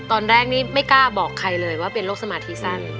ตอนแรกนี่ไม่กล้าบอกใครเลยว่าเป็นโรคสมาธิสั้น